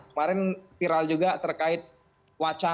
kemarin viral juga terkait wacana